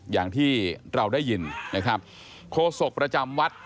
อย่างที่เราได้ยินนะครับโคศกประจำวัด